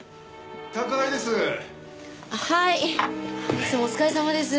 いつもお疲れさまです。